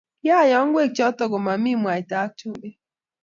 kiayoo ngwek choto ko mamii mwaita ak chumbik